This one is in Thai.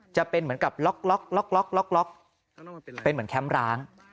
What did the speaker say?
จะเป็นเหมือนกับล็อกเป็นเหมือนแคมป์ร้าง